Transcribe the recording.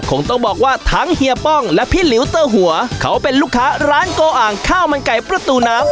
คงต้องบอกว่าทั้งเฮียป้องและพี่หลิวเตอร์หัวเขาเป็นลูกค้าร้านโกอ่างข้าวมันไก่ประตูน้ำ